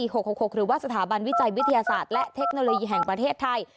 หรือว่าสถาบันวิจัยวิทยาศาสตร์และเทคโนโลยีแห่งประเทศไทย